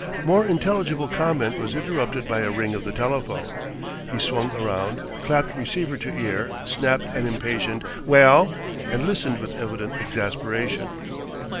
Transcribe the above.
More intelligible comment was interrupted by a ring of the telephone. He swung around, clapped receiver to ear, snapped an impatient "Well?" and listened with evident exasperation.